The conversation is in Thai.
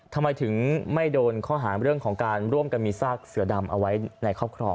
ทำไมถึงไม่โดนข้อหาเรื่องของการร่วมกันมีซากเสือดำเอาไว้ในครอบครอง